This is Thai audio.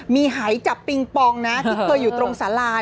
มีหายจับปิงปองนะที่เคยอยู่ตรงสารา